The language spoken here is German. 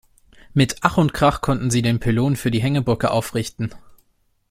Mit Ach und Krach konnten sie den Pylon für die Hängebrücke aufrichten.